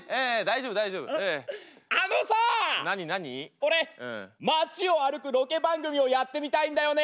俺街を歩くロケ番組をやってみたいんだよね。